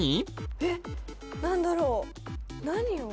えっ何だろう何を？